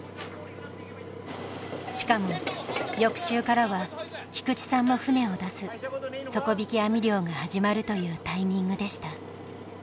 しかも翌週からは菊地さんも船を出す底引き網漁が始まるというタイミングでした。